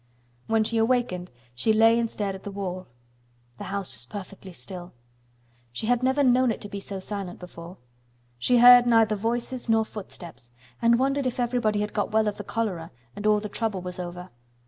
When she awakened she lay and stared at the wall. The house was perfectly still. She had never known it to be so silent before. She heard neither voices nor footsteps, and wondered if everybody had got well of the cholera and all the trouble was over.